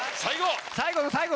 最後！